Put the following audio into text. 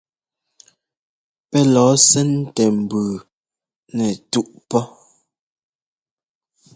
Pɛ́ lɔɔ ɛ́sɛ́ntɛ mbʉʉ nɛtúꞌ pɔ́.